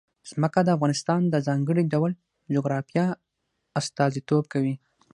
ځمکه د افغانستان د ځانګړي ډول جغرافیه استازیتوب کوي.